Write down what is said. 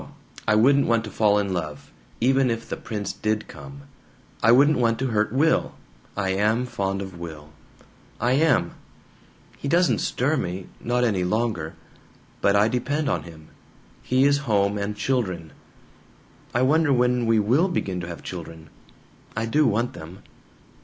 I wouldn't want to fall in love, even if the Prince did come. I wouldn't want to hurt Will. I am fond of Will. I am! He doesn't stir me, not any longer. But I depend on him. He is home and children. "I wonder when we will begin to have children? I do want them.